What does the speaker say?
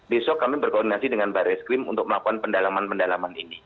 besok kami berkoordinasi dengan baris krim untuk melakukan pendalaman pendalaman ini